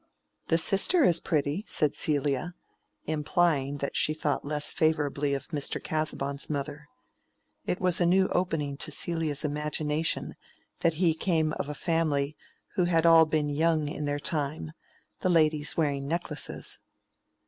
"The sister is pretty," said Celia, implying that she thought less favorably of Mr. Casaubon's mother. It was a new opening to Celia's imagination, that he came of a family who had all been young in their time—the ladies wearing necklaces.